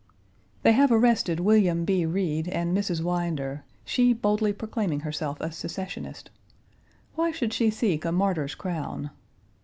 They have arrested Wm. B. Reed and Miss Winder, she boldly proclaiming herself a secessionist. Why should she seek a martyr's crown?